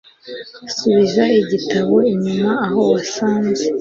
Subiza igitabo inyuma aho wasanze.